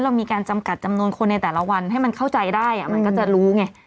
เรามีการจำกัดจำนวนคนในแต่ละวันให้มันเข้าใจได้มันก็จะรู้ไง